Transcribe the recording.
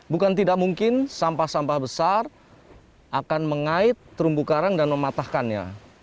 bukan tidak mungkin sampah sampah besar akan mengait terumbu karang dan mematahkannya